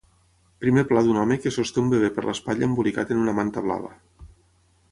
Primer pla d'un home que sosté un bebè per l'espatlla embolicat en una manta blava.